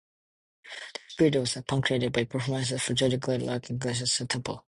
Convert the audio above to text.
This period was punctuated by performances from Judy Garland, Clark Gable and Shirley Temple.